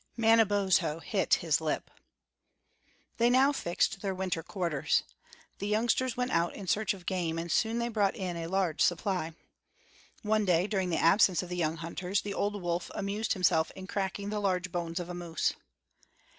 Manabozho hit his lip. They now fixed their winter quarters. The youngsters went out in search of game, and they soon brought in a large supply. One day, during the absence of the young hunters, the old wolf amused himself in cracking the large bones of a moose.